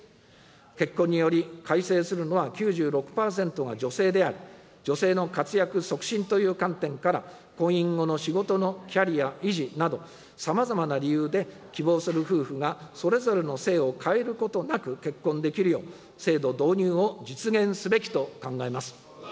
結婚により改姓するのは９６％が女性であり、女性の活躍促進という観点から、婚姻後の仕事のキャリア維持など、さまざまな理由で希望する夫婦がそれぞれの姓を変えることなく結婚できるよう、制度導入を実現すべきと考えます。